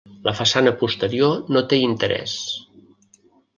La façana posterior no té interès.